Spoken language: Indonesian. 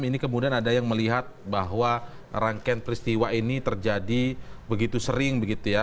ini kemudian ada yang melihat bahwa rangkaian peristiwa ini terjadi begitu sering begitu ya